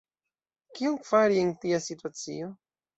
Kion fari en tia situacio?